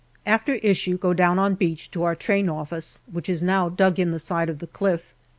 After issue, go down on beach to our Train office, which is now dug in the side of the cliff